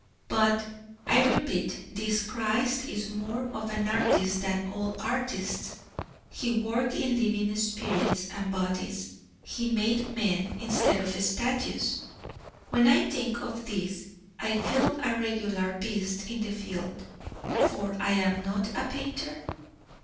But, I repeat, this Christ is more of an artist than all artists he worked in living spirits and bodies he made men instead of statues. When I think of this I feel a regular beast in the field; for am I not a painter?